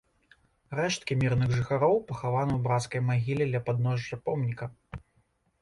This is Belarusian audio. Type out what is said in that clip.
Рэшткі мірных жыхароў пахаваны ў брацкай магіле ля падножжа помніка.